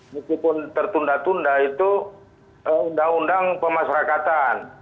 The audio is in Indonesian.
meskipun tertunda tunda itu undang undang pemasyarakatan